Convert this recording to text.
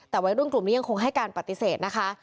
แต่วัยรุ่นกลุ่มนี้ยังคงให้การปฏิเสธนะคะ